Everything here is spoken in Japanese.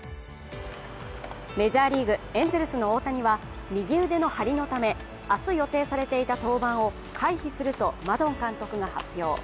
メジャーリーグ、エンゼルスの大谷は右腕の張りのため明日予定されていた登板を回避するとマドン監督が発表。